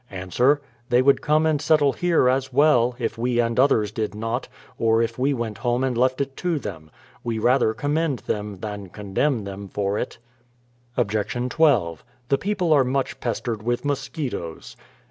Ans : They would come and settle here as well, if we and others did not, or if we went home and left it to them. We rather com mend them, than condemn them for it. Obj. 12. The people are much pestered with mosquitoes.